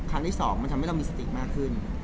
ครั้งที่สองมันทำให้เรามีสติมากขึ้น